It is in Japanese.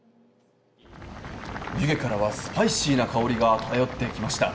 湯気からはスパイシーな香りが漂ってきました。